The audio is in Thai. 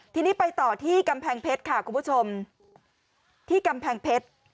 ทีนี้ไปต่อที่กำแพงเพชรค่ะคุณผู้ชมที่กำแพงเพชร